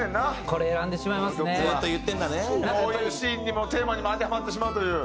こういうシーンにもテーマにも当てはまってしまうという。